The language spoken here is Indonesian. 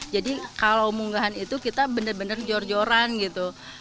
jadi kalau munggahan itu kita benar benar jor joran gitu